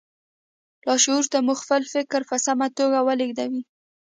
لاشعور ته مو خپل فکر په سمه توګه ولېږدوئ